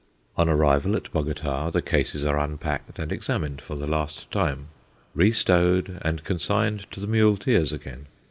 On arrival at Bogota, the cases are unpacked and examined for the last time, restowed, and consigned to the muleteers again.